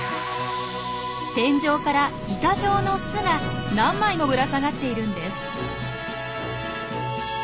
天井から板状の巣が何枚もぶら下がっているんです。